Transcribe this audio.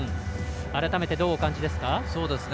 改めてどうお感じですか？